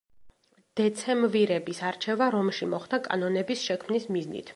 დეცემვირების არჩევა რომში მოხდა კანონების შექმნის მიზნით.